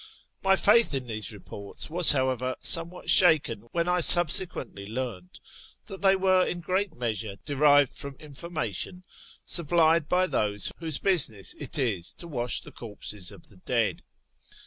My faith in these reports was, however, somewhat shaken when I subsequently learned that they were in great measure derived from information supplied by those whose business it is to wash the corpses of the dead.